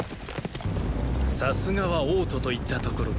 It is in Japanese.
さすがは王都といったところか。